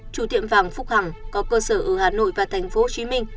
chủ tiệm vàng phúc hằng có cơ sở ở hà nội và tp hcm